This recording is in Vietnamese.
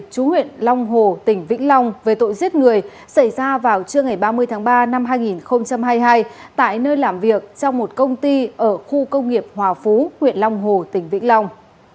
chú huyện long hồ tỉnh vĩnh long về tội giết người xảy ra vào trưa ngày ba mươi tháng ba năm hai nghìn hai mươi hai tại nơi làm việc trong một công ty ở khu công nghiệp hòa phú huyện long hồ tỉnh vĩnh long